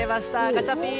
ガチャピン！